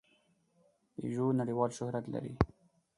پيژو نړۍوال شهرت لري.